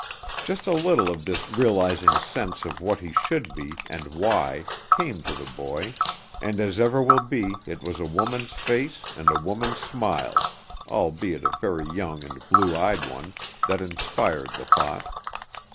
Just a little of this realizing sense of what he should be, and why, came to the boy, and as ever will be it was a woman's face and a woman's smiles, albeit a very young and blue eyed one, that inspired the thought.